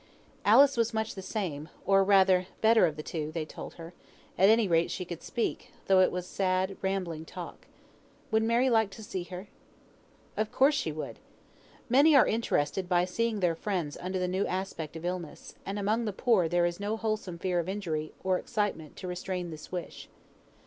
Alice was much the same, or rather better of the two, they told her; at any rate she could speak, though it was sad rambling talk. Would Mary like to see her? Of course she would. Many are interested by seeing their friends under the new aspect of illness; and among the poor there is no wholesome fear of injury or excitement to restrain this wish.